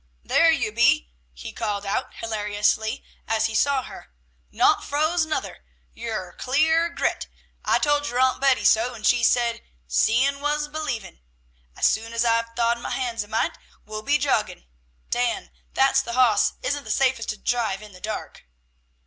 "There you be," he called out hilariously as he saw her. "Not froze nuther! You're clear grit! I told your Aunt Betty so, and she said 'seein' was believin'.' As soon as I've thawed my hands a mite, we'll be joggin'. Dan, that's the hoss, isn't the safest to drive in the dark."